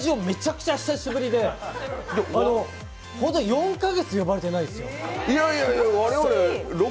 めちゃくちゃ久しぶりで４カ月呼ばれてないですよ。